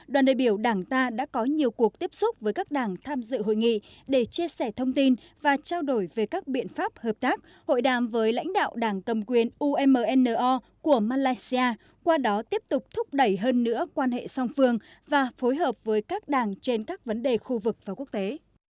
đoàn đại biểu đảng ta đã có nhiều cuộc tiếp xúc với các đảng tham dự hội nghị để chia sẻ thông tin và trao đổi về các biện pháp hợp tác hội đàm với lãnh đạo đảng cầm quyền umno của malaysia qua đó tiếp tục thúc đẩy hơn nữa quan hệ song phương và phối hợp với các đảng trên các vấn đề khu vực và quốc tế